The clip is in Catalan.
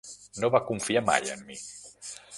No va confiar mai en mi!